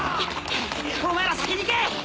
お前ら先に行け。